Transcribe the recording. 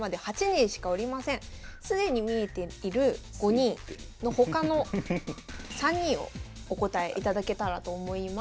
既に見えている５人の他の３人をお答えいただけたらと思います。